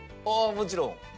あっもちろん。